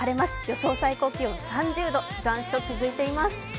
予想最高気温３０度、残暑、続いています。